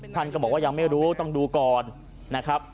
ท่านก็บอกว่ายังไม่รู้ต้องดูก่อนนะครับ